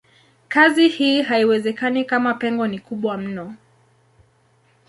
Kazi hii haiwezekani kama pengo ni kubwa mno.